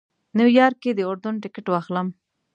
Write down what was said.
نیویارک کې د اردن ټکټ واخلم.